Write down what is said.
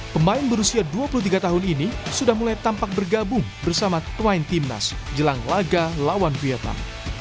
pemain berusia dua puluh tiga tahun ini sudah mulai tampak bergabung bersama pemain timnas jelang laga lawan vietnam